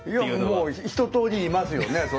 いやひととおりいますよね。